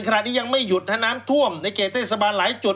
ขณะนี้ยังไม่หยุดถ้าน้ำถวมในเกตเต้สบานไหลจุด